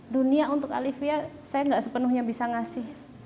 dunia untuk alifah saya tidak sepenuhnya bisa kasih